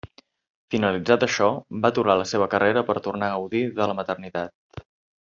Finalitzat això, va aturar la seva carrera per tornar a gaudir de la maternitat.